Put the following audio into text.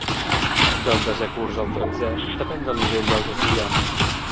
Del desè curs al tretzè, depèn del nivell dels estudiants.